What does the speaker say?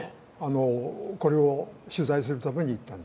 これを取材するために行ったの。